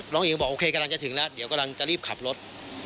อิ๋วบอกโอเคกำลังจะถึงแล้วเดี๋ยวกำลังจะรีบขับรถ